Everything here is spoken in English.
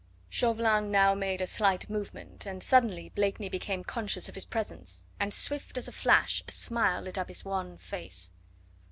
Chauvelin now made a slight movement and suddenly Blakeney became conscious of his presence, and swift as a flash a smile lit up his wan face.